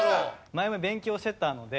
前勉強してたので。